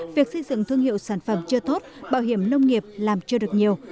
việc xây dựng thương hiệu sản phẩm chưa tốt bảo hiểm nông nghiệp làm chưa được nhiều